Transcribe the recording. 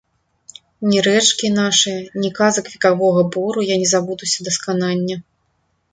Ні рэчкі нашае, ні казак векавога бору я не забудуся да сканання.